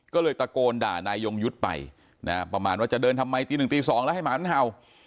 ก็เลยตะโกนด่านายยงยุทธ์ไปนะประมาณว่าจะเดินทำไมตีหนึ่งตี๒แล้วให้หมามันเห่า